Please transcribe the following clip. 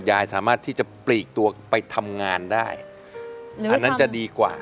ยายสามารถที่จะปลีกตัวไปทำงานได้อันนั้นจะดีกว่า